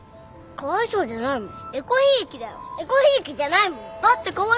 かわいそうじゃないもん。